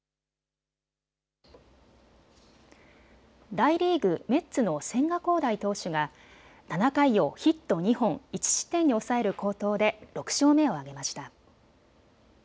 大リーグ、メッツの千賀滉大投手が７回をヒット２本、１失点に抑える好投で６勝目を挙げました。